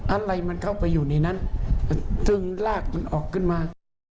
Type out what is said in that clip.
อะไรมันเข้าไปอยู่ในนั้นจึงลากมันออกขึ้นมา